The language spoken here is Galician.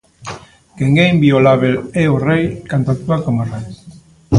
Quen é inviolábel é o Rei, cando actúa como Rei.